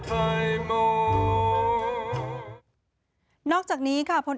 เพลงที่๑๐ทรงโปรด